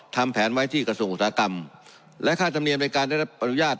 ทำแผนไว้ที่กระทรวงอุตสาหกรรมและค่าธรรมเนียมในการได้รับอนุญาต